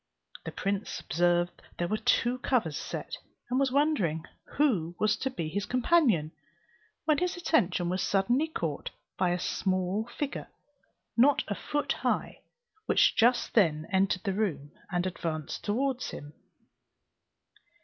The prince observed there were two covers set, and was wondering who was to be his companion, when his attention was suddenly caught by a small figure not a foot high, which just then entered the room, and advanced towards him.